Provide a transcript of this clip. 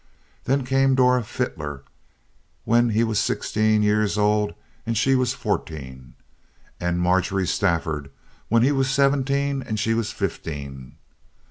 Then came Dora Fitler, when he was sixteen years old and she was fourteen; and Marjorie Stafford, when he was seventeen and she was fifteen.